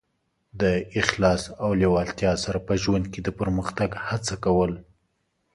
د اخلاص او لېوالتیا سره په ژوند کې د پرمختګ هڅه کول.